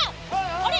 あれ？